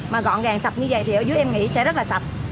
mà gọn gàng sập như vậy thì ở dưới em nghĩ sẽ rất là sạch